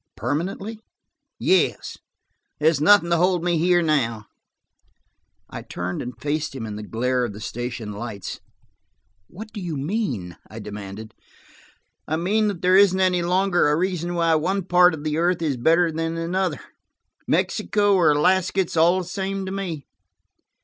"Permanently?" "Yes. There's nothing to hold me here now," he said. I turned and faced him in the glare of the station lights. "What do you mean?" I demanded. "I mean that there isn't any longer a reason why one part of the earth is better than another. Mexico or Alaska, it's all the same to me."